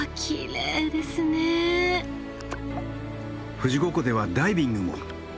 富士五湖ではダイビングも。